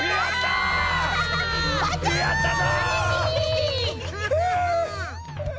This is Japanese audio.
やったぞ！